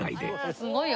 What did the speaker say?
すごいよ。